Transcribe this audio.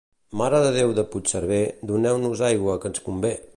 Mare de Déu de Puigcerver, doneu-nos aigua, que ens convé.